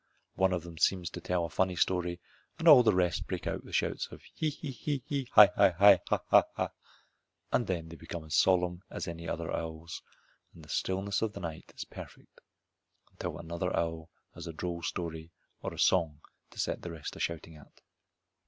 One of them seems to tell a funny story and all the rest break out with shouts of he he he he hi hi hi hi ha ha ha ha, and then they become as solemn as any other owls, and the stillness of the night is perfect until another owl has a droll story or song to set the rest a shouting at.